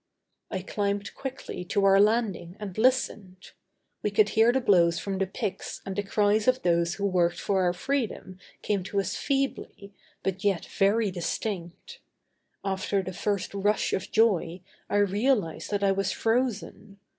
I climbed quickly up to our landing and listened. We could hear the blows from the picks and the cries of those who worked for our freedom came to us feebly, but yet very distinct. After the first rush of joy, I realized that I was frozen.